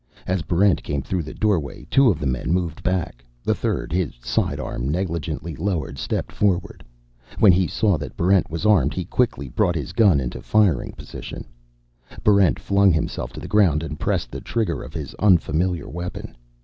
As Barrent came through the doorway, two of the men moved back; the third, his sidearm negligently lowered, stepped forward. When he saw that Barrent was armed he quickly brought his gun into firing position. Barrent flung himself to the ground and pressed the trigger of his unfamiliar weapon.